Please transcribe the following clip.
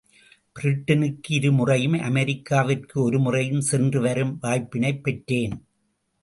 பிரிட்டனுக்கு இரு முறையும், அமெரிக்காவிற்கு ஒரு முறையும் சென்று வரும் வாய்ப்பினைப் பெற்றேன்.